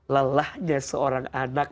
lelahnya seorang anak